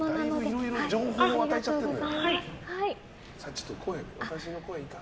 いろいろ情報を与えちゃってるのよ。